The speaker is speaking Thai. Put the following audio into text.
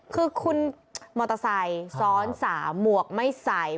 คือคุณมอเตอร์ไซค์ซ้อน๓หมวกไม่ใส่